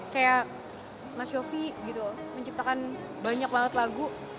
kayak mas yofi gitu menciptakan banyak banget lagu